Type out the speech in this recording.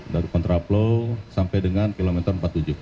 dari kontraplow sampai dengan kilometer empat puluh tujuh